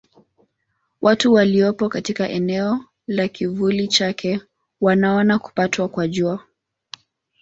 Watu waliopo katika eneo la kivuli chake wanaona kupatwa kwa Jua.